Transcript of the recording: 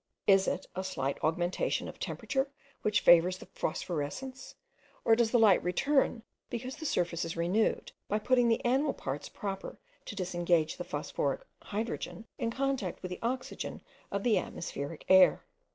Is it a slight augmentation of temperature which favours the phosphorescence? or does the light return, because the surface is renewed, by putting the animal parts proper to disengage the phosphoric hydrogen in contact with the oxygen of the atmospheric air?